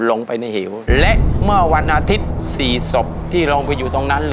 ลงไปในเหวและเมื่อวันอาทิตย์สี่ศพที่ลงไปอยู่ตรงนั้นเลย